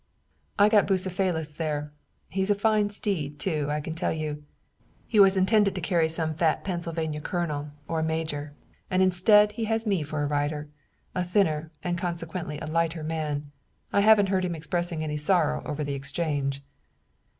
I got Bucephalus there. He's a fine steed, too, I can tell you. He was intended to carry some fat Pennsylvania colonel or major, and instead he has me for a rider, a thinner and consequently a lighter man. I haven't heard him expressing any sorrow over the exchange."